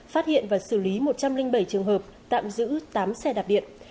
phát hiện và xử lý một trăm linh bảy trường hợp tạm giữ tám xe đạp điện